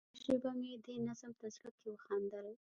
یوه شېبه مې دې نظم ته زړه کې وخندل.